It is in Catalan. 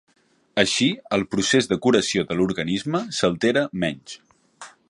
Així, el procés de curació de l'organisme s'altera menys.